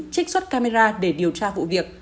trích xuất camera để điều tra vụ việc